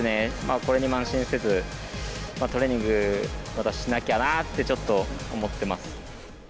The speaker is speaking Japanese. これに慢心せず、トレーニング、またしなきゃなってちょっと思ってます。